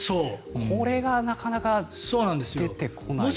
これがなかなか出てこない。